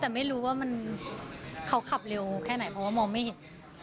แต่ไม่รู้ว่ามันเขาขับเร็วแค่ไหนเพราะว่ามองไม่เห็น